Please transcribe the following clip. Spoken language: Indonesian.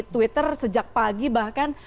twitter sejak pagi bahkan